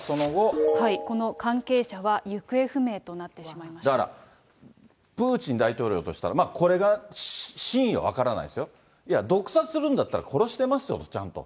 この関係者は、行方不明となだから、プーチン大統領としたら、これが真意は分からないですよ、毒殺するんだったら、殺してますよ、ちゃんと。